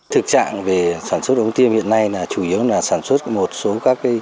thực trạng về sản xuất ống tiêm hiện nay là chủ yếu là sản xuất một số các